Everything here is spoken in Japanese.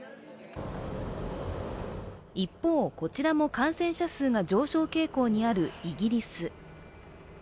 一方、こちらも感染者数が上昇傾向にあるイギリス。